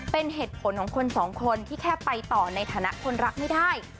เป็นเหตุผลของคนสองคนที่แค่ไปต่อในฐานะคนรักไม่ได้